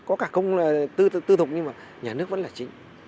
có cả công tư thuộc nhưng mà nhà nước vẫn là chính